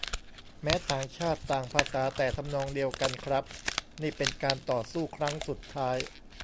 แม้ต่างชาติต่างภาษา แต่ทำนองเดียวกันครับ นี่เป็นการต่อสู้ครั้งสุดท้าย